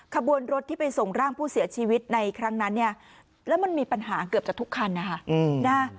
ขบวนรถที่ไปส่งร่างผู้เสียชีวิตในครั้งนั้นเนี่ยแล้วมันมีปัญหาเกือบจะทุกคันนะคะ